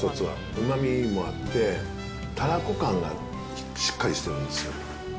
うまみもあって、たらこ感がしっかりしてるんですよ。